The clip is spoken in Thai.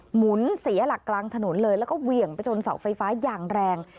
หมุนเสียหลักกลางถนนเลยแล้วก็เหวี่ยงไปชนเสาไฟฟ้าอย่างแรง